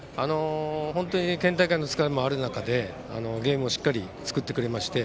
本当に県大会の疲れもある中でゲームをしっかり作ってくれまして。